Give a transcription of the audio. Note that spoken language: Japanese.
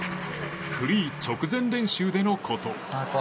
フリー直前練習でのこと。